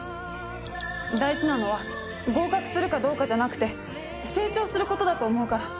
大事なのは合格するかどうかじゃなくて成長することだと思うから。